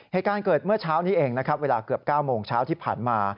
เหตุการณ์เกิดเมื่อเช้านี้เองนะครับเวลาเกือบ๙โมงเช้าที่ผ่านมา